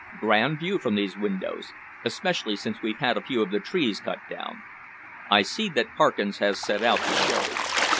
"Grand view from these windows, especially since we've had a few of the trees cut down. I see that Parkins has set out the sherry.